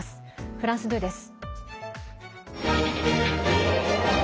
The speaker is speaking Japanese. フランス２です。